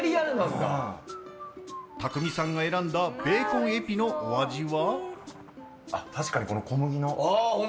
たくみさんが選んだベーコンエピのお味は？